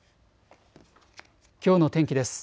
きょうの天気です。